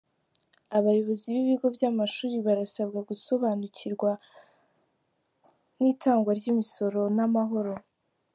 Abayobozi b’ibigo by’amashuri barasabwa gusobanukirwa n’itangwa ry’imisoro n’amahoro